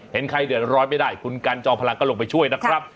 เห็นใครเดือดร้อนไม่ได้คุณกันจอมพลังก็ลงไปช่วยนะครับ